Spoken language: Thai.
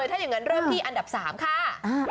ถ้ายังงั้นเริ่มที่อันดับสามค่ะ